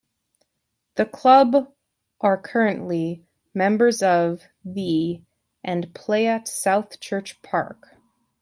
The club are currently members of the and play at Southchurch Park.